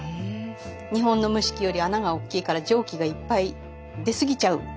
日本の蒸し器より穴がおっきいから蒸気がいっぱい出過ぎちゃうんですけど。